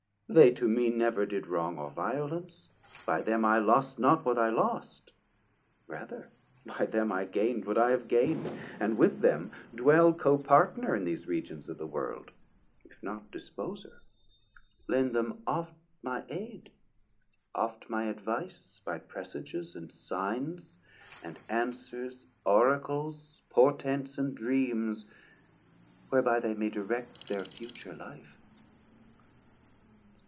they to me Never did wrong or violence, by them I lost not what I lost, rather by them 390 I gain'd what I have gain'd, and with them dwell Copartner in these Regions of the World, If not disposer; lend them oft my aid, Oft my advice by presages and signs, And answers, oracles, portents and dreams, Whereby they may direct their future life.